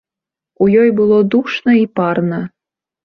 У ёй было душна і парна.